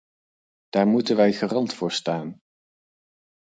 Daar moeten wij garant voor staan.